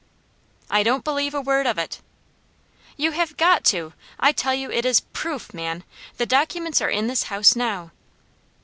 "I don't believe a word of it!" "You have got to! I tell you it is PROOF, man! The documents are in this house now."